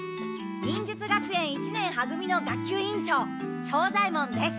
忍術学園一年は組の学級委員長庄左ヱ門です。